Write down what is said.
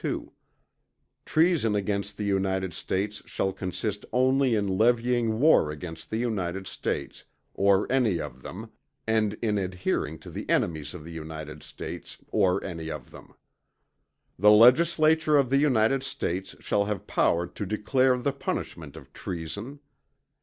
2._ Treason against the United States shall consist only in levying war against the United States, or any of them, and in adhering to the enemies of the United States, or any of them. The Legislature of the United States shall have power to declare the punishment of treason.